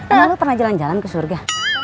emang lo pernah jalan jalan ke surga